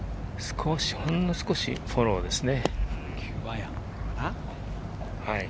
ほんの少しフォローですね。